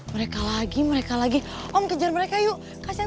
vivek lamar produsi ya